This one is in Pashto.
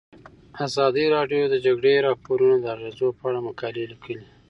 ازادي راډیو د د جګړې راپورونه د اغیزو په اړه مقالو لیکلي.